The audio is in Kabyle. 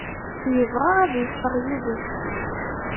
Yebɣa ad yeffeɣ yid-s.